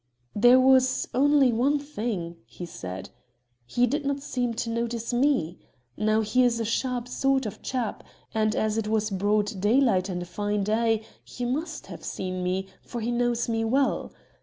"There was only one thing," he said "he did not seem to notice me. Now, he is a sharp sort of chap, and as it was broad daylight and a fine day, he must have seen me, for he knows me well.